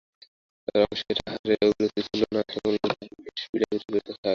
রমেশের আহারে অভিরুচি ছিল না, হেমনলিনী তাহাকে বিশেষ পীড়াপীড়ি করিয়া খাওয়াইল।